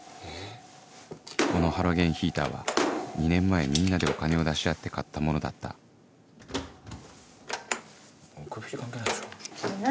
このハロゲンヒーターは２年前みんなでお金を出し合って買ったものだった何？